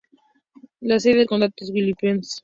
La sede del condado es Williamson.